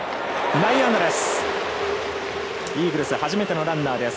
内野安打です。